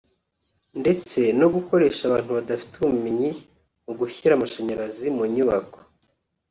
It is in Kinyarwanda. ndetse no gukoresha abantu badafite ubumenyi mu gushyira amashanyarazi mu nyubako